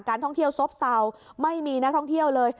การท่องเที่ยวซบซาวไม่มีนะท่องเที่ยวเลย